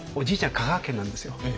香川県なんですよ。